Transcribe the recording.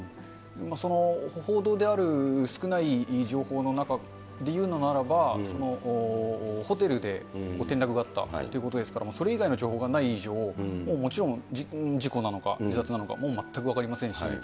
報道である少ない情報の中で言うのならば、ホテルで転落があったということですから、それ以外の情報がない以上、もちろん、事故なのか、自殺なのかも全く分かりませんし。